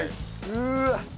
うわっ！